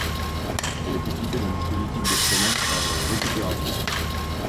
Elle est équipée d'un dispositif de freinage par récupération.